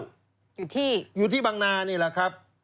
อยู่ที่อยู่ที่บังนานี่แหละครับ